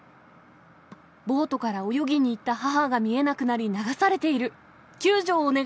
ボートから泳ぎにいった母が見えなくなり、流されている。